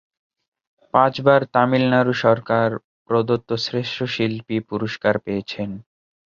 পাঁচবার তামিলনাড়ু সরকার প্রদত্ত শ্রেষ্ঠ শিল্পী পুরস্কার পেয়েছেন।